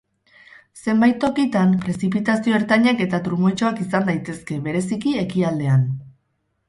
Zenbait tokitan, prezipitazio ertainak eta trumoitsuak izan daitezke, bereziki ekialdean.